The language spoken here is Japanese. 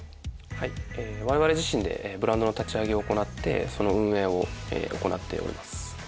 はい我々自身でブランドの立ち上げを行ってその運営を行っております。